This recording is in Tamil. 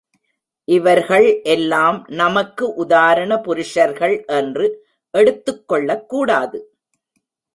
இவர்கள் எல்லாம் நமக்கு உதாரண புருஷர்கள் என்று எடுத்துக்கொள்ளக் கூடாது.